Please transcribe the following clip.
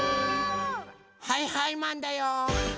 はいはいマンだよ！